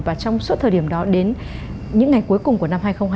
và trong suốt thời điểm đó đến những ngày cuối cùng của năm hai nghìn hai mươi